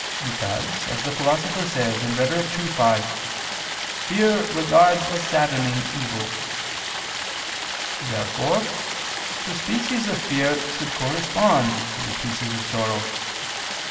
Because, as the Philosopher says (Rhet. ii, 5), "fear regards a saddening evil." Therefore the species of fear should correspond to the species of sorrow.